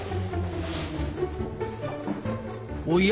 おや？